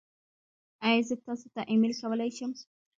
ایا زه تاسو ته ایمیل کولی شم؟